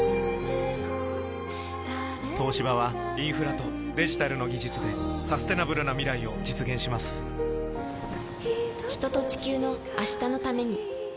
東芝はインフラとデジタルの技術でサステナブルな未来を実現します人と、地球の、明日のために。